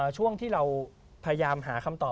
ช่วงที่เราพยายามหาคำตอบ